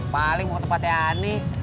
paling mau ke patiani